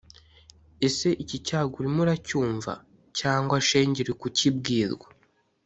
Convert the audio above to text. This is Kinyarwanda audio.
ese iki cyago urimo uracyumva ,cg shenge uri kukibwirwa?